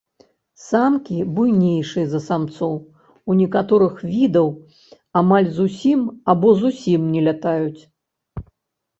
Самкі буйнейшыя за самцоў, у некаторых відаў амаль зусім або зусім не лятаюць.